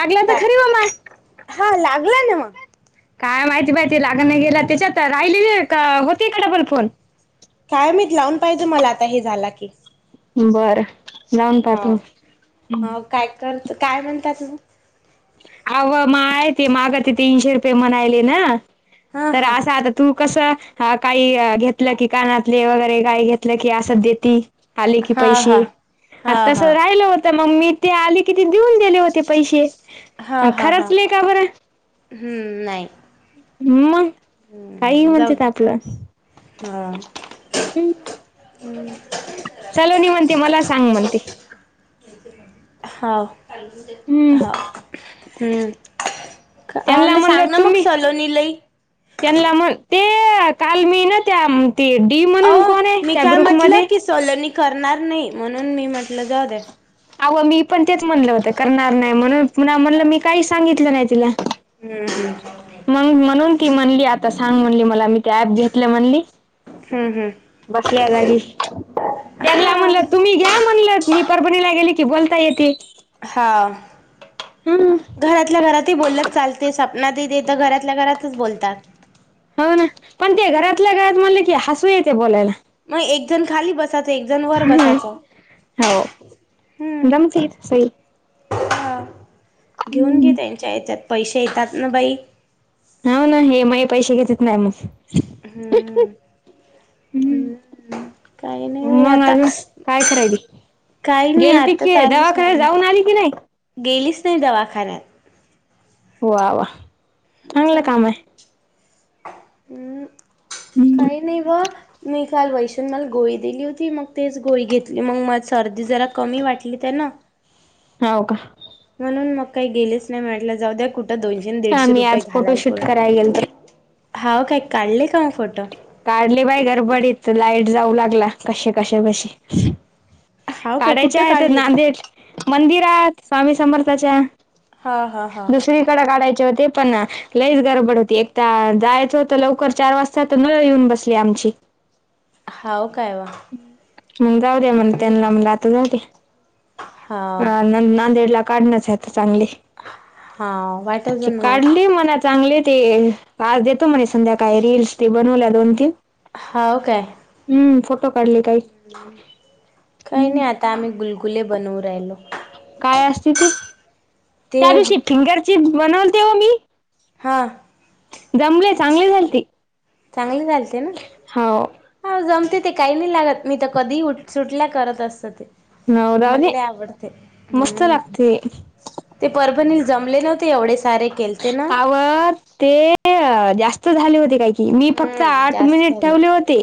आगला तर नाही खरी वो माय हा लागला ना मग काय माहिती बाई, [unintelligible] लागण नाही गेला त्याच्यात राहिले का होते का डबल फोन, काय माहित, लावून पाहिजे मला आता, हे झाला की बर, लावून हा पहतो. ह काय कर काय म्हणतात तु अवं माय, ते माग ते तीनशे रुपये म्हणायली ना, हा तर हा असा आत तू कसं, काही घेतलं की कानातली वगैरे, काही घेतलं की, आसच देेती आले की हा हा पैसे, आ हा तस हा राहिलं होत तर मग मी ते, आले कि ते देऊन दिले होते, पैसे. हा अ हा हा खरंचली का बरं? हम्म नाही मंग काही हम्म जाऊ म्हणतात दे आपलं, हम् हम्म! [unintelligible] सलोनी म्हणते, मला सांग म्हणते हा हम्म हा, हम्म! [unintelligible] ना सांग ना मग, सलोनी ले त्यांनला म्हण, ते काल मी ना त्या ते डी अ म्हणून कोण आहे? मी त्या काय ग्रुप म्हटलं मध्ये की सलोनी करणार नाही, म्हणून मी म्हटलं जऊ दे आव, मी पण तेच म्हणलं होत करणार नाही म्हणून, पुन्हा म्हणलं मी काही सांगितलं नाही तिला हम् हम्. मग म्हणून ती म्हणली, आता सांग म्हणली मला, मी ते ऍप घेतलं म्हणली. हम्म हम्म. बसल्या जागी, त्यांना म्हणल हम्म तुम्ही घ्या म्हणल, मी परभणी ला गेली की बोलता येेते. हा. घरातल्या घरातही बोलत चालते, सपना देत तर घरातल्या घरातच बोलतात. हो ना, पण ते हम्म. घरातल्या घरात म्हणले की हसू येते बोलायला. मग एक जण खाली बस एक जण वर हम्म बसायच, हो हम. जमते सई ह घेऊन घे, त्यांच्या याच्यात पैसे येतात ना बाई. हो ना, हे माई पैसे घेतेत नाही मग. [unintelligible] [inaudible] काही नाही मग आत्ता अजून काय करायली काही नाही गेलती आता की आलीच, दवाखान्यात जाऊन आली की नाही गेलीच नाही दवाखान्यात. वा वा. चांगलं काम आहे काही नाही बा मी काल वैषण मला गोळी दिली होती, मग तेच गोळी घेतली मग म सर्दी जरा कमी वाटली त्यांन. हव का. म्हणून मग काही गेलेच नाही, म्हटलं जाऊ द्या कुठं दोनशे दीडशे आम्ही रुपये आज घालाय फोटोशूट पुरण ते. करायला गेल तर हाव काही काढले का मग फोटो. काढले बाय गरबडीत लाईट जाऊ लागला कसे कसे कसे. हाव काय काढायच्या कुठं आहेत काढले? नांदेड मंदिरात स्वामी समर्थाच्या. हा हां हां. काढाय हो पण लच गडबड होती, एक जायचं होत लवकर चार वाजता. येऊन बसली आमची. होव काय वो. मग जाऊ द्या म्हण त्यांना म आता जाऊ दे. हाव अ नांदेडला काढणच आहे, तर चांगली हाव वाटच ना मग काढली मनात. चांगले ते आज देतो म्हणे संध्याकाळी रीलस ते बनवल्या दोन तीन. हाव काय हम्म! फोटो काढली काही काही हम. नाही आता आम्ही गुलगुले बनवू राहिलो. काय असते ती ते त्या दिवशी फिंगरचीप बनवलतेव मी. हां. जमले चांगले झाल ते. चांगली जालते ना. हा जमते ते काही नाही लागत, मी तर कधी सुटल्या करत असत ते. नव मला रावे लय आवडते हम्म मस्तलगत. ते परभणील जमले नव्हते एवढे सारे केले. हव ते जास्त झाले होते काही. मी फक्त हम्म आठ जास्त मिनिट झालं. ठेवले होते.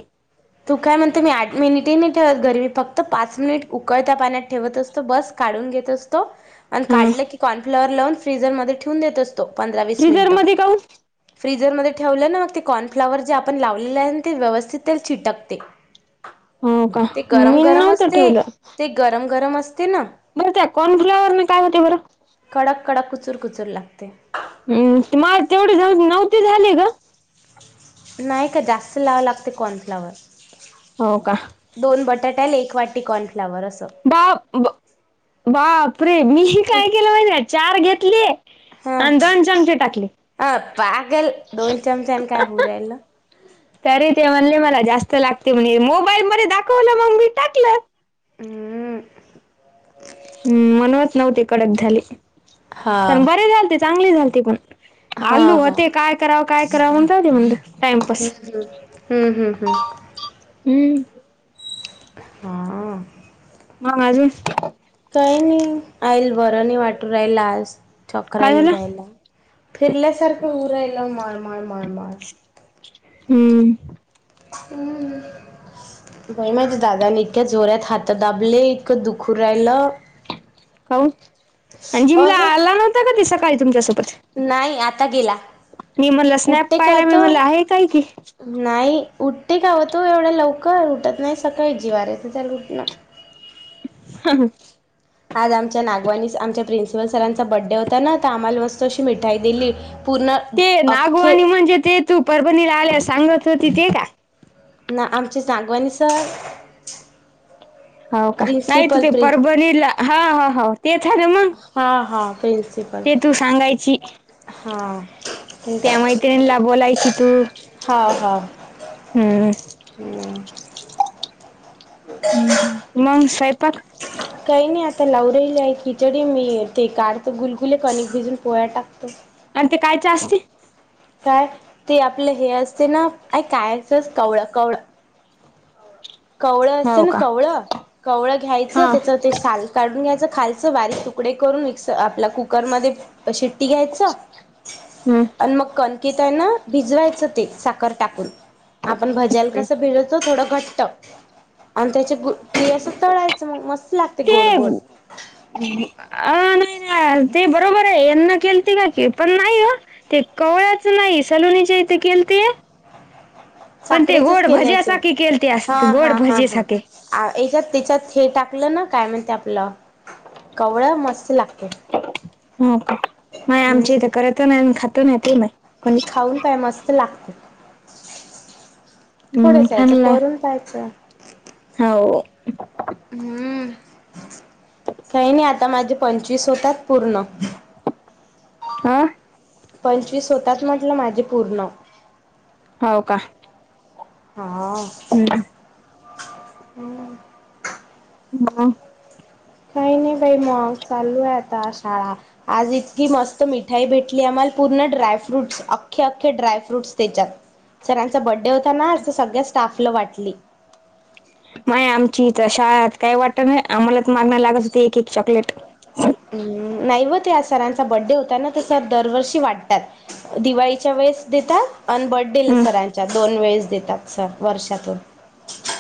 तू काय म्हणतो मी आठ मिनिटी नाही ठेवत, घर मी फक्त पाच मिनिट उकळता पाण्यात ठेवत असतो बस. काढून घेत असतो आणि हा काढलं की कॉर्नफ्लावर लावून फ्रीझर मध्ये ठेवून देत असतो. तो पंधरा वित फ्रिजरमध्ये काऊ. फ्रीझरमध्ये ठेवलं ना मग ते, कॉर्नफ्लाॉवर जे आपण लावलेले आहे ते व्यवस्थित ते चिटकते. हो का ते गरम मी गरम नव्हतं असते ठेवलं ते, गरम गरम असते ना. बरं त्या कॉर्न फ्लावर न काय होते बरं? कडक कडक कुचूर कुचूर लागते‌ हम् मला तेवढे जाऊ नव्हते झाले ग! नाही का जास्त लावं लागते कॉर्नफ्लावर. हो का? दोन बटाट्याल एक वाटी कॉर्नफ्लावर असं. बाप -बाप रे! मीही काय केलं माहिजे चार घेतली. हा ह पागल दोन चमचाने काय होवुन राहिलं. तरी ते म्हणले मला जास्त लागते म्हण, मोबाईल मध्ये दाखवलं मग मी टाकलं. हम! हम्म! म्हणूनच नव्हते कडक झाले पण हा. बरे झाल ते चांगली झाल त पण. हा आलू हा होते काय करावं काय करावं म्हणतते म्हण टाइमपास. हम्म, हम्म, हम्म! हम्म! हा. मग आजुन. काही नाही आईल बरनाही वाटू राहिला आज छक्र काय येऊ झालं राहायला. फिरल्यासारखं होऊन राहिलं मळमळ मळमळ. हम्म! हम्म बाई माझ्या दादाने इतक्या जोऱ्यात हात दाबले, इतकं दुखू राहिलं. काऊन? आणि जिमला असंच आला नव्हता का ते सकाळी तुमच्यासोबत? नाही आता गेला. मी म्हणला स्नॅप उठते का पाहिला, मी आता? म्हणलं आहे काय कि? नाही, उठते कावं तू एवढ्या लवकर, उठत नाही सकाळी, जीवावर येते त्याला उठणं. [unintelligible] आज आमच्या नागवानी स आमच्या प्रिन्सिपल सरांचा बड्डे होता ना, तर आम्हाला मस्त अशी मिठाई दिली. पूर्ण ते अख्खे नागवाणी म्हणजे ते तू परभणीला आल्यास सांगत होती ते का? ना आमचे सागवानी सर हो का? नाही त प्रिन्सिपल ते प्रिं परभणीला हा हो, तेच हाय ना मग हा हा, प्रिन्सिप ते तू सांगायची. त्या मैत्रिणला बोलायची तू. हा हा हम्म हम्म, मग स्वयंपाक काही नाही आता लावलेली आहे खिचडी, मी ते काढतो गुलगुले, कणिक भिजून पोळ्या टाकतो. आणि ते कायचे असते? काय ते आपलं हे असते ना, का काय असं कवळं कवळं कवळं असते हो ना का? कवळं, कवळं घ्यायचं हा. त्याचं ते साल काढून घ्यायचं खालचं बारीक तुकडे करून, मिक्स आपला कुकरमध्ये शिट्टी घ्यायचं, हम्म. आणि मग कन कीत हाय ना, भिजवायचं ते साखर टाकून आपण भज्याला कसं भिजवतो थोडं घट्ट. आणि त्याचे गु ते असं तळायचं मग मस्त लागते ते गोड गोड. अ नाही ना ते, बरोबर आहे यांना केलती का की, पण नाही हो ते कवळ्याच नाही, सलुनीच्या इथे केलते पण ते साखरेचेच गोड केले असेल, भज्यासारखे केलते अस हा गोड हा हा हा. भजेसारखे. आ एच्यात त्याच्यात हे टाकलं ना, काय म्हणते आपलं, कवळं मस्त लागते. हम्म हम्म, नाय आमच्या इथे हम्म करत ही नाही आणि खात माहिती नाही. कोणीच खाऊन पहाय मस्त लागतं. हम्म थोडसं याचं खाल्ला करून पाहायचं. हो हम्म काही नाही आता माझे पंचवीस होतात पूर्ण. हा पंचवीस होतात म्हटलं माझे पूर्ण. हो का? हा [inaudible] [unintelligible] काही नाही बाई मग, चालू आहे आता शाळा. आज इतकी मस्त मिठाई भेटली आम्हाला, पूर्ण ड्राय फ्रूट्स अख्खे अख्खे डाय फ्रूट्स त्याच्यात. सरांचा बड्डे होता ना आज, तर सगळ्या स्टाफला वाटली. माय आमची इथ शाळेत काय वाटत नाही, आम्हालाच मागण लागत होती एक एक चॉकलेट. हम्म, नाहीव ते आज सरांचा बड्डे होताना तर सर दरवर्षी वाटतात. दिवाळीच्या वेळेस देतात. अन बड्डेला हम्म सरांच्या, दोन वेळेस देतात सर वर्षातून.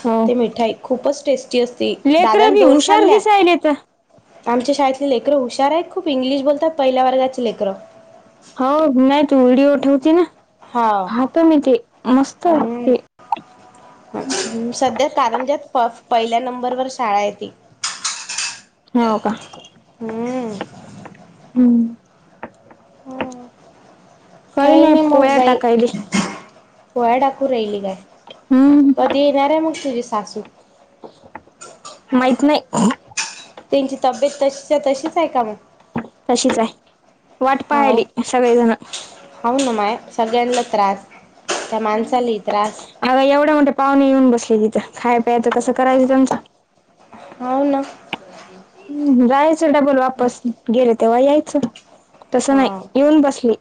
हो ते मिठाई खूपच टेस्टी असती, लेकर दादाने बी दोन हुशार खाल्ल्या. दिसायले तर आमच्या शाळेतली लेकरं हुशार आहेत, खूप इंग्लिश बोलतात पहिल्या वर्गाची लेकरं. हो नाही तू व्हिडिओ ठेवते ना, हा पाहतो मी ते मस्त आहेत ते. हम्म सध्या कारंजात प पहिल्या नंबरवर शाळा आहे ती. हो का. हम्म हम्म. हम काही नाही मग बाई. पोळ्या टाकू राहिली काय हम्म कधी येणार आहे मग तुझी सासू. माहित नाही. त्यांची तब्येत तशीच्या तशीच आहे का मग. तशीच आहे वाट पाहायला सगळेजण. हो ना माय सगळ्यांना त्रास त्या माणसालाही त्रास. अग एवढ्या मोठे पाहुणे येऊन बसले तिथं खाय प्यायचं कसं करायचं त्याचं. हो ना. हम् जायचं डबल वापस गेले तेव्हा यायचं. तसं हा नाही येऊन बसली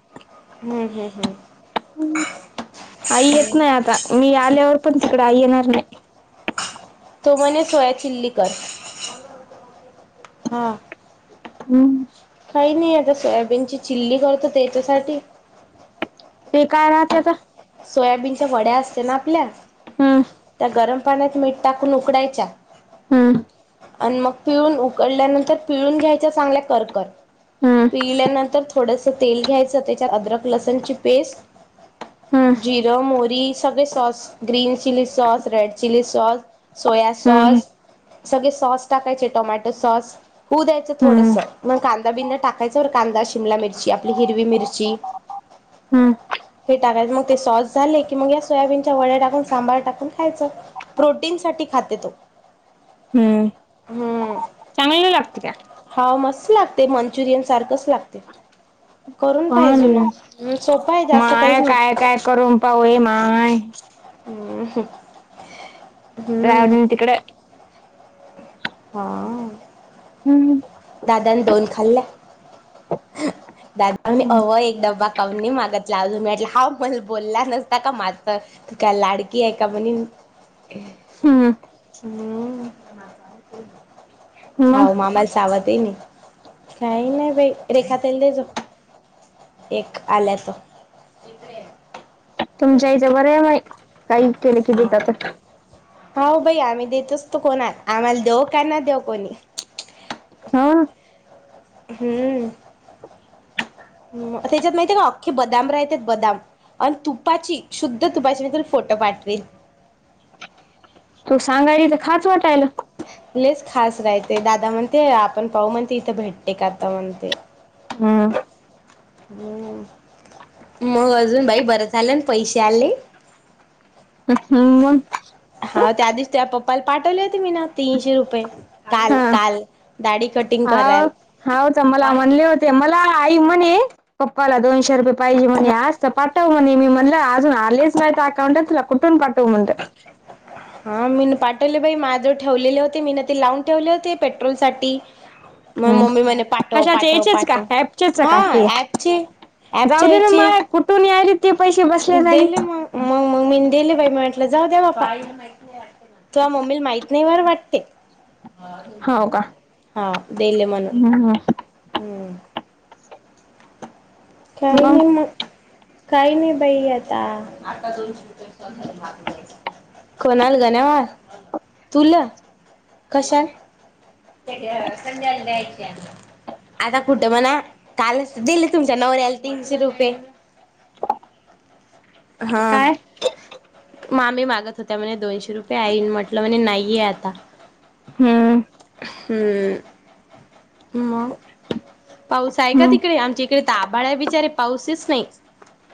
हम्म हम्म हम्म. आई येत नाही आता मी आल्यावर पण तिकडे आई येणार नाही. तो म्हणे सोया चिली कर हा. हम्म. काही नाही आता सोयाबीनची चिल्ली करतो त्याच्यासाठी. ते काय राहत तर. सोयाबीनच्या वड्या असत ना आपल्या हम्म त्या गरम. पाण्यात मीठ टाकून उकडायच्या. हम्म. आणि मग पिळून उकडल्यानंतर पिळून घ्यायच्या चांगल्या करकर हम्म पिळल्यानंतर. थोडस तेल घ्यायचं त्याच्यात अदरक लसण ची पेस्ट. हम्म जिरो मोहरी सगळे sauce green chilli sauce red chilli sauce. Soya हम्म सॉस सगळे सॉस टाकायचे टोमॅटो सॉस. होऊ द्यायच हम्म थोडसं मग कांदा बिंदा टाक. टाकायच्या व कांदा शिमला मिरची आपली हिरवी मिरची हम्म हे टाकायचं मग. ते सॉस झाले की मग या सोयाबीनच्या वड्या टाकून सांबार टाकून खायचं. प्रोटीन साठी खाते तो. हम्म. हम्म. चांगला लागत का. हाव मस्त लागते मंचुरियन सारखंच लागते करून पण पाहिजो ना. सोपं आहे जास्त माय काहीच नाही काय काय करून पाहू ये माय. हम्म. राहू हम्म. दे ना तिकडे. हा. हम् ह. दादनी दोन खाल्ले दादा अव एकदाबा. कानी मागतला अजून मीटलं हाव मण बोलला नसता का माझ. तू काय लाडकी आहे का म्हणेन. हम्म. हम् हा मग मामा आवाज. ते काही नाही बाई रेखा तेल दे जा. एक आल्याचं. इकडे. तुमच्या याच्या बर काही केले की हा. देतात. हो भाई आम्ही देतोच तो कोणा आम्हाला देऊ का ना देऊ कोणी. हाव ना. हम्म. म त्याच्यात माहितीय का अख्खे बदाम राहते बदाम. आणि तुपाची शुद्ध तुपाची मी तर फोटो पाठवेल. तू सांगाय र तर खाच वाटायला. ललेच खास राहते दादा म्हणते आपण पाऊ म्हणते इथं भेटते का आता म्हणते. हम्म. ् मग अजून बाई बरंच आलं पैसे आले. हम्. हा त्या दिीच त्या पप्पाला पाठवले होते मी ना तीनशे रुपये. काल हा काल दाढी कटिंग कराल. हा तर मला म्हणले होते मला आई म्हणे. पप्पाला दोनशे रुपये पाहिजेणे आजत पाठव म्हणे मी म्हणलं अजून आलेच नाहीत अकाउंट तु कुठून पाठव. त म्हणंद. हा मी पाठवले बाई माझे ठेवलेले होते मी ना ते लावून ठेवले होते पेट्रोल साठी. म हम्म. मम्मी म पाठव कशाचे पाठव याचेच का पाठव ॲपचेच हा का हे ऍपचे. जाऊ ॲपच्या दे ना यायची. मग कुठून यायलेत ते पैसे. बसल्या जागी दिले मग,, मग मग मी दिले बाई, म्हटलं जाऊ दे बापा. तूया मम्मीला माहित नाही बर वाटते. हो का हा देले म्हण,, हम्म. हम्म, काहीन मग म. काही नाही बाई आता. कोणाल गन्यावाळ तूला कशाल. ध्या द आता कुठं म्हणा कालच दिले तुम. तुया नवऱ्यला तीनशे रुपये हां, काय मा ममी मागत होत्या म्हणे दोनशे रुपये,, आईन म्हटलं म्हणे नाहीये आता. हम्म, हममम, मग. पाऊस आहे का मग तिकडे? आमच्या इकडे त आभाळ आहे बिचारे पाऊसच नाही.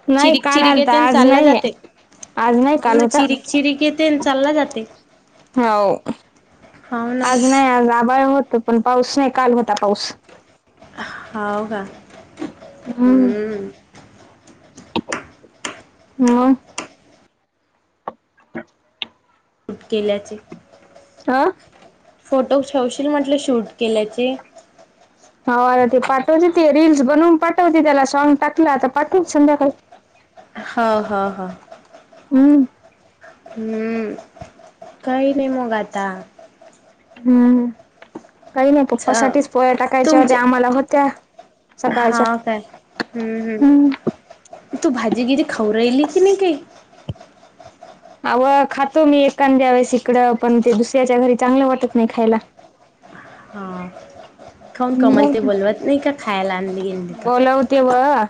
नाही चिरीक काल चिरीक आलता येतेय, आणि आज चालला नाहीये जाते्य,, आज नाही हो काल ना, होता चिरीऽ चिरीक येतेय, आन चालला जातेय. होव,, हाव ना आज नाही आज आबाळ होत, पण पाऊस नाही, काल होता पाऊस. होव का,, हम्म. मग? शूट केल्याचे. आं,, फोटो ठेवशील म्हटलं शूट केल्याचे. होव आता ते पाठवते, ते रीलल्स बनवून पाठवते, त्याला सॉग टाकलं, तर आता पाठवते संध्याकाळी. हा, हा, हा. हम्, हम, काही नाही मग आता. हम्म, काही नाही अच्छा पप्पासाठीच पोया्या टाकायच्या तुमचे हो्या,, आम्हाला होत्या. हा सकाळच्या काय, ष हम्म हम्म, तू भाजीगिरी खाऊ राहिली की नाही काही. अवं खातो मी एखांद्या वेळेस इिकडं, पण ते दुसऱ्याच्या घरी चांगलं वाटत नाही खायला. हा, खाऊन कमल ते बोलवत नाही का खायला आणली गेली तर. तेि वाऽ